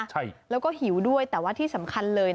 ใช่แล้วก็หิวด้วยแต่ว่าที่สำคัญเลย